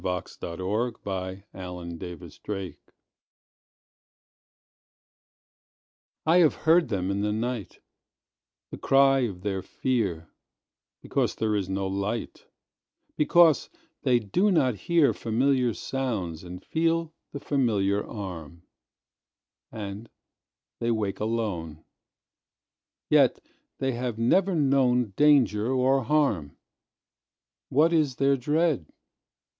1917. The New Born By Helen Hoyt I HAVE heard them in the night—The cry of their fear, Because there is no light, Because they do not hearFamiliar sounds and feel the familiar arm, And they awake alone. Yet they have never knownDanger or harm. What is their dread?